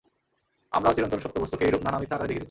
আমরাও চিরন্তন সত্য-বস্তুকে এইরূপ নানা মিথ্যা আকারে দেখিতেছি।